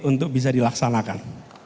untuk bisa dilaksanakan